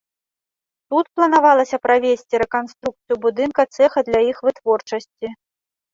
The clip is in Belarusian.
Тут планавалася правесці рэканструкцыю будынка цэха для іх вытворчасці.